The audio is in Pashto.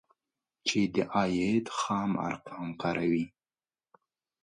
چې د عاید خام ارقام کاروي